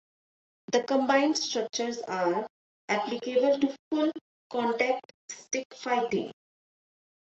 The combined structures are applicable to full contact stick fighting.